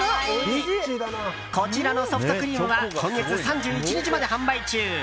こちらのソフトクリームは今月３１日まで販売中。